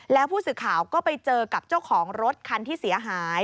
แล้วผู้สื่อข่าวก็ไปเจอกับเจ้าของรถคันที่เสียหาย